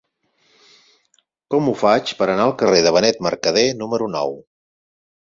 Com ho faig per anar al carrer de Benet Mercadé número nou?